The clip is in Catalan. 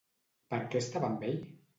Per què estava amb ell?